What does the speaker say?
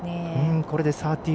これで３０−３０。